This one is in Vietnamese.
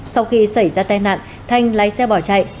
sau khi xảy ra tai nạn thanh lái xe bỏ chạy